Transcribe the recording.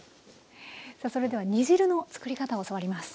さあそれでは煮汁の作り方を教わります。